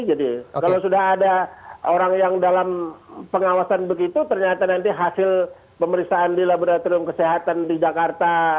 jadi kalau sudah ada orang yang dalam pengawasan begitu ternyata nanti hasil pemeriksaan di laboratorium kesehatan di jakarta